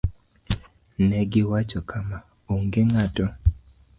Ne giwacho kama: "Onge ng'ato